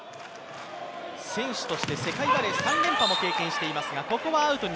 選手として世界バレー、３連覇も経験しています。